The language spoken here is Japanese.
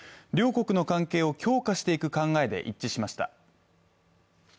両国の関係を強化していく考えで一致しました。